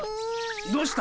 どうした？